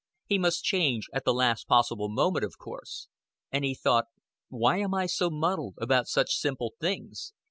He must change at the last possible moment, of course; and he thought, "Why am I so muddled about such simple things?